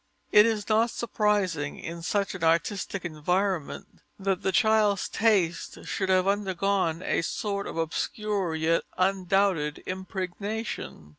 It is not surprising in such an artistic environment, that the child's taste should have undergone a sort of obscure, yet undoubted impregnation.